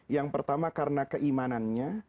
yang pertama karena keimanannya